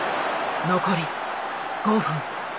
残り５分。